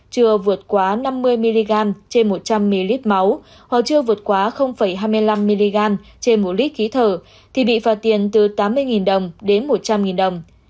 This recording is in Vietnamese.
chưa vượt quá năm mươi mg trên một trăm linh ml máu hoặc chưa vượt quá hai mươi năm mg trên một lít khí thở thì bị phạt tiền từ tám mươi đồng đến một trăm linh đồng